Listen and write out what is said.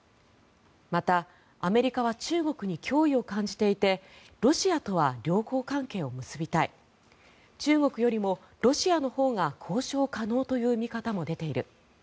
また、アメリカは中国に脅威を感じていてロシアとは良好関係を結びたい中国よりもロシアのほうが交渉可能という見方も出ている。